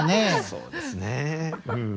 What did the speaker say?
そうですねうん。